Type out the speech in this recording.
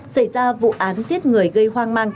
xảy ra vụ án giết người gây hoang mang